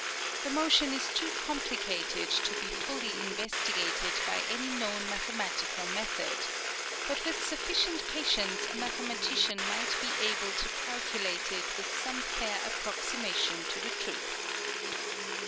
The motion is too com plicated to be fully investigated by any known mathematical method ; but with sufficient patience a mathematician might be able to calculate it with some fair approximation to the truth.